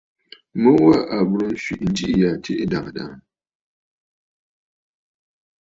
Mu wa à bùrə nswìʼi njiʼì ya tsiʼì swìʼì!